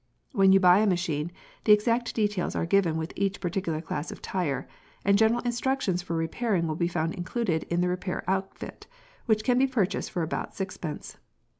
When you buy a machine, the exact details are given with each particular class of tyre, and general instructions for repairing will be found included in the repair outfit, which can be purchased for about sixpence.